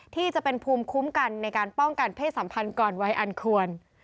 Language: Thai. ที่จะเป็นภูมิคุ้มกันในการป้องกันเพศสัมพันธ์ก่อนวัยอันควร